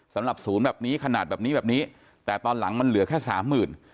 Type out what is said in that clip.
สำหรับศูนย์แบบนี้ขนาดแบบนี้แบบนี้แต่ตอนหลังมันเหลือแค่สามหมื่น